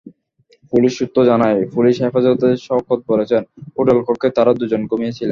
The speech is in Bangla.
পুলিশ সূত্র জানায়, পুলিশ হেফাজতে শওকত বলেছেন, হোটেল কক্ষে তাঁরা দুজন ঘুমিয়ে ছিলেন।